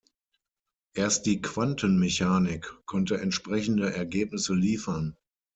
Erst die Quantenmechanik konnte entsprechende Ergebnisse liefern.